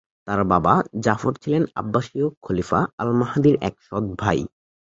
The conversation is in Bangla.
তার বাবা, জাফর ছিলেন আব্বাসীয় খলিফা আল-মাহদীর এক সৎ ভাই।